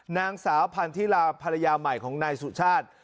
นางสาวพันธิลาภรรยาใหม่ของนายสุชาติ